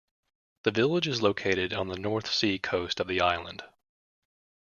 The village is located on the North Sea coast of the island.